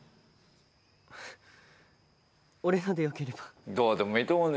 俺のでよければ。